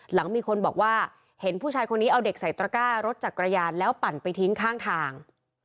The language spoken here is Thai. หลังมีคนบอกว่าเห็นผู้ชายคนนี้เอาเด็กใส่ตระก้ารถจักรยานแล้วปั่นไปทิ้งข้างทาง